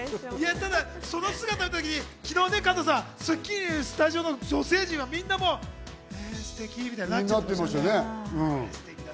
その姿のときに昨日『スッキリ』のスタジオの女性陣はみんなステキみたいになってましたよね。